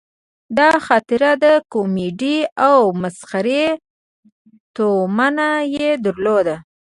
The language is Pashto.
دا خاطره د کومیډي او مسخرې تومنه یې درلوده.